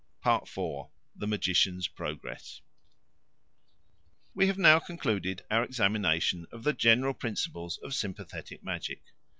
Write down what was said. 4. The Magician's Progress WE have now concluded our examination of the general principles of sympathetic magic.